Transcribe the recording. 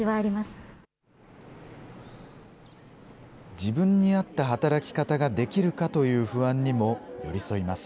自分に合った働き方ができるかという不安にも寄り添います。